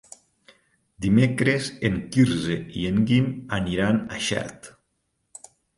Dimecres en Quirze i en Guim aniran a Xert.